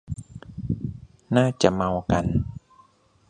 น่าจะเมากัน